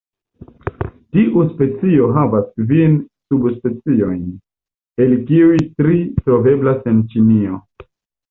Tiu specio havas kvin subspeciojn, el kiuj tri troveblas en Ĉinio.